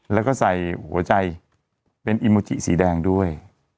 แล้วก็ใส่หัวใจเป็นอิมูจิสีแดงด้วย